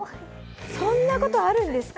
そんなことあるんですか。